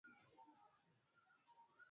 Ana bidii za mchwa